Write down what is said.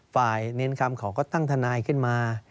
ฝ่ายเน้นคำขอก็ตั้งทนายขึ้นมา